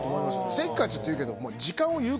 せっかちって言うけど。